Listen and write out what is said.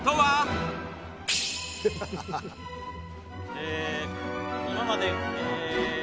えー今まで